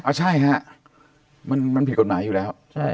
ใช่ฮะมันผิดกฎหมายอยู่แล้ว